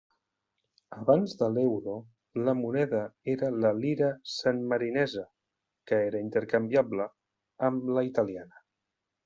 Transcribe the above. Abans de l'euro, la moneda era la lira sanmarinesa, que era intercanviable amb la italiana.